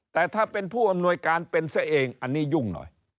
แต่ถ้าเป็นผู้อำนวยการเป็นซะเองอันนี้ยุ่งหน่อย